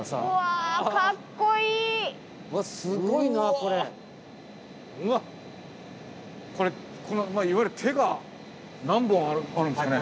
これいわゆる手が何本あるんですかね。